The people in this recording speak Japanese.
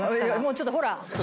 ちょっとほらっ！